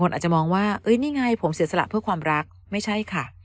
อาจจะมองว่านี่ไงผมเสียสละเพื่อความรักไม่ใช่ค่ะ